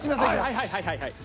はいはいはいはい。